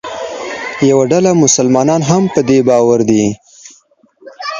یوه ډله مسلمانان هم په دې باور دي.